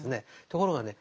ところがね